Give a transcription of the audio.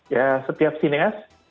ya setiap sinias